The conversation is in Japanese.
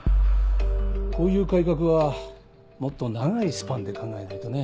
こういう改革はもっと長いスパンで考えないとね。